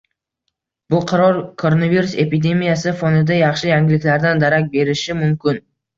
Bu qaror koronavirus epidemiyasi fonida yaxshi yangiliklardan darak berishi mumkin.